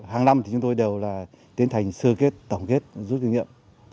hàng năm thì chúng tôi đều là tiến hành sơ kết tổng kết rút kinh nghiệm